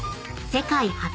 ［世界初！